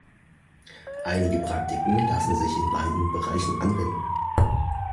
Einige Praktiken lassen sich in beiden Bereichen anwenden.